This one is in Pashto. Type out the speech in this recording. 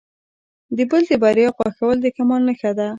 د بل د بریا خوښول د کمال نښه ده.